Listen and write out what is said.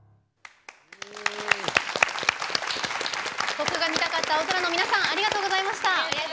僕が見たかった青空の皆さんありがとうございました。